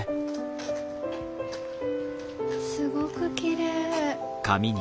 すごくきれい。